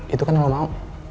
itu kan yang lo mau